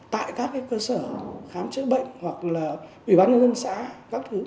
tại các cơ sở khám chữa bệnh hoặc là ủy ban nhân dân xã